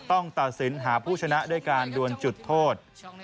ต้องตัดสินหาผู้ชนะด้วยการดวนจุดโทษ